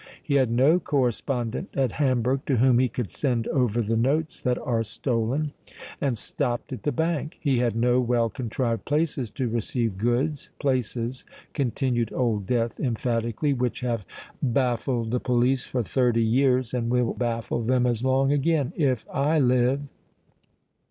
He had no correspondent at Hamburg to whom he could send over the notes that are stolen, and stopped at the Bank: he had no well contrived places to receive goods—places," continued Old Death, emphatically, "which have baffled the police for thirty years, and will baffle them as long again——if I live."